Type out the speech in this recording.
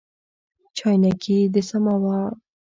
چاینکي د سماوار